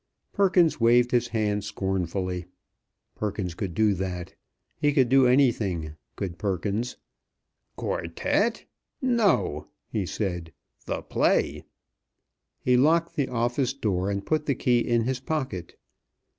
Perkins waved his hand scornfully. Perkins could do that. He could do anything, could Perkins. "Quartette? No," he said, "the play." He locked the office door, and put the key in his pocket.